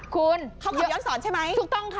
เขาขับเลยร้อนสอนใช่ไหม